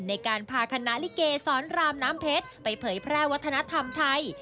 ในการพาคณะลิเกสรรามน้ำเพชรไปเผยแพร่วัฒนธรรมไทย